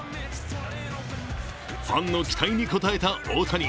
ファンの期待に応えた大谷。